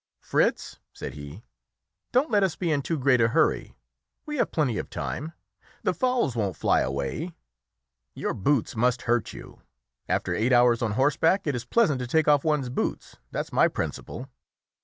"Fritz," said he, "don't let us be in too great a hurry; we have plenty of time; the fowls won't fly away. Your boots must hurt you. After eight hours on horseback it is pleasant to take off one's boots, that's my principle.